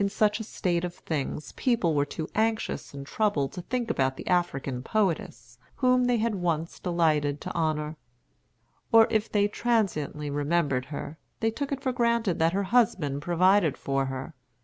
In such a state of things, people were too anxious and troubled to think about the African poetess, whom they had once delighted to honor; or if they transiently remembered her, they took it for granted that her husband provided for her.